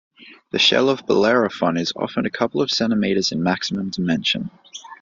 The shell of "Bellerophon" is often a couple of centimeters in maximum dimension.